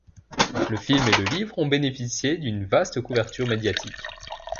Le film et le livre ont bénéficié d'une vaste couverture médiatique.